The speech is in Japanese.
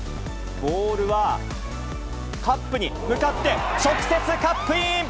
ボールはカップに向かって直接カップイン。